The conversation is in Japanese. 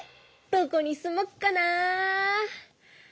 どこに住もっかな。